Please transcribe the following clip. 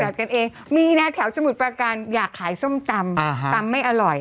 กันเองมีนะแถวสมุทรประการอยากขายส้มตำตำไม่อร่อย